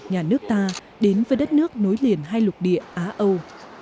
nhà nước ta đến với đất nước nối liền hai lục địa á âu